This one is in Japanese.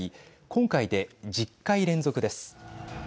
今回で１０回連続です。